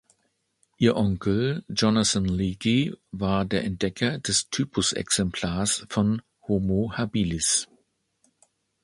Ihr Onkel, Jonathan Leakey, war der Entdecker des Typus-Exemplars von "Homo habilis".